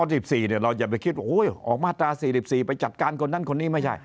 เราอย่าไปคิดว่าออกมาตรา๔๔ไปจัดการคนนั้นคนนี้ไม่ใช่